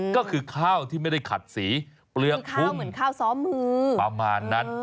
ก็คือข้าวที่ไม่ได้ขัดสีเปลือกหูเหมือนข้าวซ้อมมือประมาณนั้น